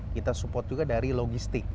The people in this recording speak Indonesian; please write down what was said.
kita support juga dari logistik